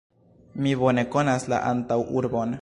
Mi bone konas la antaŭurbon.